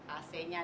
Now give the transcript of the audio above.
ac nya ada enam